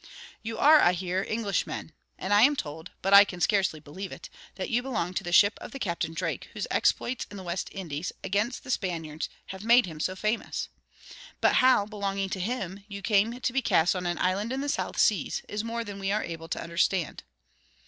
"You are, I hear, Englishmen; and I am told, but I can scarcely believe it, that you belong to the ship of the Captain Drake whose exploits in the West Indies, against the Spaniards, have made him so famous. But how, belonging to him, you came to be cast on an island in the South Seas is more than we are able to understand."